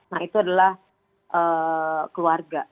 nah itu adalah keluarga